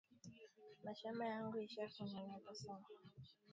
Mashamba yangu isha ku nenepa sana